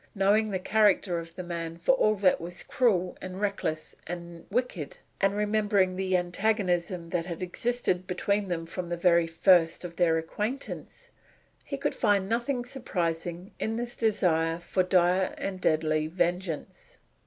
Knowing the character of the man for all that was cruel and reckless and wicked, and remembering the antagonism that had existed between them from the very first of their acquaintance, he could find nothing surprising in this desire for dire and deadly vengeance.